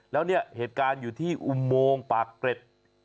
แล้วเนี่ยเหตุการณ์อยู่ที่อุโมงปากเกร็ด